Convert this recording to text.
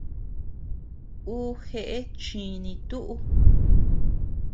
Uu jeʼe chiní tuʼu.